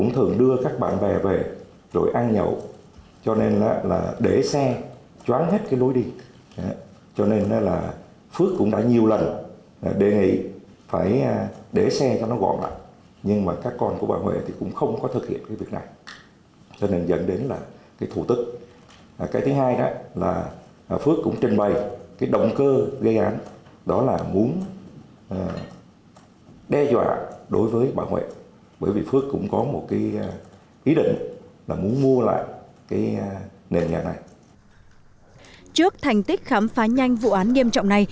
trước thành tích khám phá nhanh vụ án nghiêm trọng này